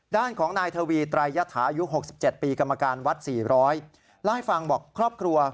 ด้านของนายทวีไตรยฐาอายุ๖๗ปีกรรมการวัด๔๐๐เล่าให้ฟังบอกครอบครัว